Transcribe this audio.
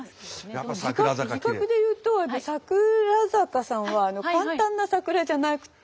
字画でいうと櫻坂さんは簡単な「桜」じゃなくて。